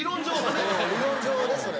理論上はねそれ。